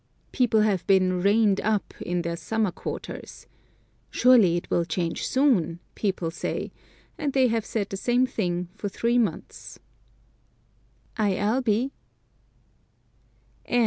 People have been "rained up" in their summer quarters. "Surely it will change soon," people say, and they have said the same thing for three months. I. L.